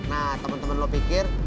nah temen temen lo pikir